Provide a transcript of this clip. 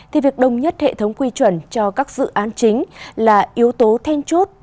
thì việc đồng nhất hệ thống quy chuẩn cho các dự án chính là yếu tố then chốt